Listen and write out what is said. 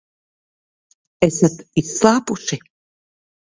Esat izslāpuši?